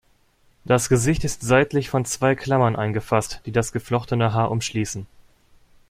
Das Gesicht ist seitlich von zwei Klammern eingefasst, die das geflochtene Haar umschließen.